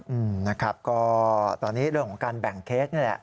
อืมนะครับก็ตอนนี้เรื่องของการแบ่งเค้กนี่แหละ